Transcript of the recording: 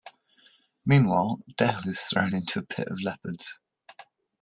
Meanwhile, Dale is thrown into a pit of leopards.